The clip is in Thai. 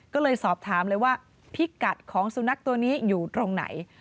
ก็เลยสอบถามเลยว่าพิกัดของสุนัขตัวนี้อยู่ตรงไหน